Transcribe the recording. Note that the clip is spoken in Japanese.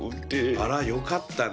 あらよかったね。